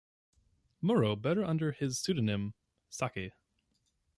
Munro better known under his pseudonym Saki.